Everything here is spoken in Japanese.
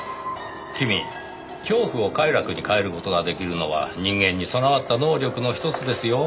君恐怖を快楽に変える事ができるのは人間に備わった能力の一つですよ。